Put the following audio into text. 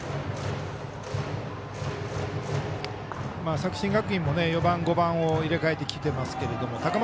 作新学院も４番、５番を入れ替えてきていますけど高松